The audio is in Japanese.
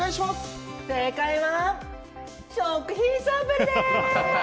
正解は、食品サンプルです！